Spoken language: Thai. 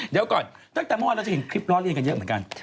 เดี๋ยวก่อนตั้งแต่เมื่อวานเราจะเห็นคลิปล้อเรียนกันเยอะเหมือนกัน